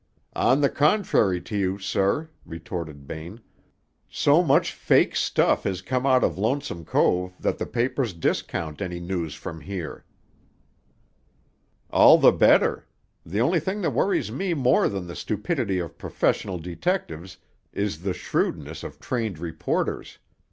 "On the contrary to you, sir," retorted Bain, "so much fake stuff has come out of Lonesome Cove that the papers discount any news from here." "All the better. The only thing that worries me more than the stupidity of professional detectives is the shrewdness of trained reporters.